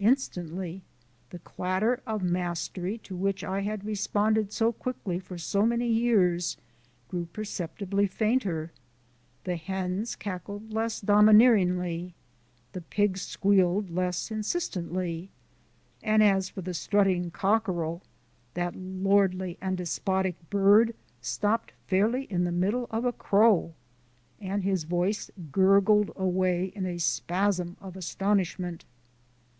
Instantly the clatter of mastery to which I had responded so quickly for so many years grew perceptibly fainter, the hens cackled less domineeringly, the pigs squealed less insistently, and as for the strutting cockerel, that lordly and despotic bird stopped fairly in the middle of a crow, and his voice gurgled away in a spasm of astonishment.